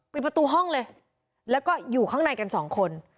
ปิดประตูห้องเลยแล้วก็อยู่ข้างในกันสองคน